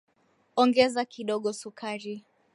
Ongeza kidogo sukari.